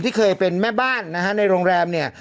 ที่เคยเป็นแม่บ้านนะฮะในโรงแรมเนี่ย